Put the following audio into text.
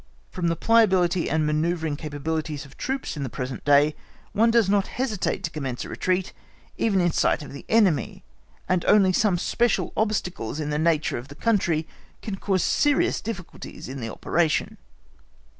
From the pliability and manoeuvring capabilities of troops in the present day, one does not hesitate to commence a retreat even in sight of the enemy, and only some special obstacles in the nature of the country can cause serious difficulties in the operation.